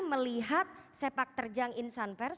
melihat sepak terjang insan pers